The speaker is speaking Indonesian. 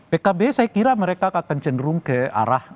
pkb saya kira mereka akan cenderung ke arah